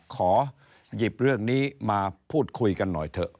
ขอหยิบเรื่องนี้มาพูดคุยกันหน่อยเถอะ